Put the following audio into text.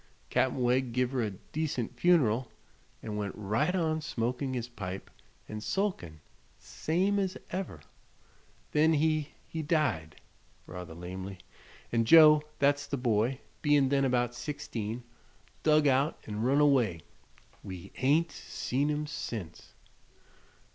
Cap'n Wegg give her a decent fun'ral an' went right on smokin' his pipe an' sulkin', same as ever. Then he he died," rather lamely, "an' Joe thet's the boy bein' then about sixteen, dug out 'n' run away. We hain't seen him sense."